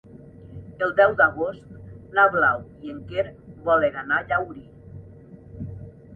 El deu d'agost na Blau i en Quer volen anar a Llaurí.